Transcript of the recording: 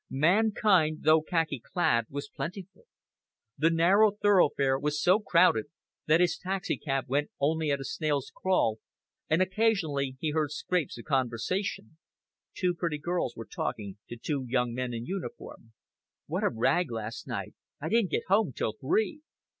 Mankind, though khaki clad, was plentiful. The narrow thoroughfare was so crowded that his taxicab went only at a snail's crawl, and occasionally he heard scraps of conversation. Two pretty girls were talking to two young men in uniform. "What a rag last night! I didn't get home till three!"